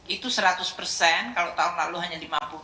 itu seratus persen kalau tahun lalu hanya lima puluh